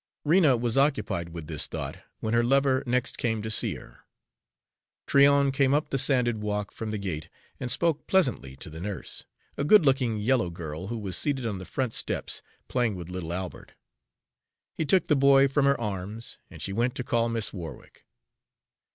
Rena was occupied with this thought when her lover next came to see her. Tryon came up the sanded walk from the gate and spoke pleasantly to the nurse, a good looking yellow girl who was seated on the front steps, playing with little Albert. He took the boy from her arms, and she went to call Miss Warwick.